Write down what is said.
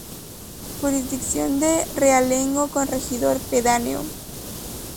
Jurisdicción de Realengo con regidor pedáneo.